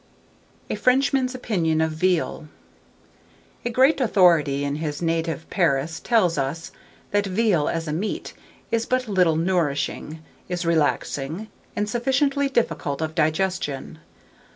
A FRENCHMAN'S OPINION OF VEAL. A great authority in his native Paris tells us, that veal, as a meat, is but little nourishing, is relaxing, and sufficiently difficult of digestion.